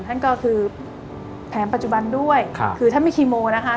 นั่นก็คือแผนปัจจุบันด้วยคือท่านมีคีโมนะคะ